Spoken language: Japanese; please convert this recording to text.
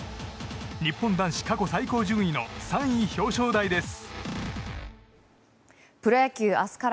日本男子過去最高順位の３位表彰台です。